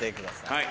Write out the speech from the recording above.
はい。